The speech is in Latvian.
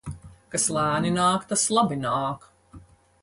Kas lēni nāk, tas labi nāk.